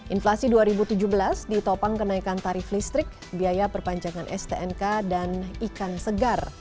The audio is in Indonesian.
inflasi dua ribu tujuh belas ditopang kenaikan tarif listrik biaya perpanjangan stnk dan ikan segar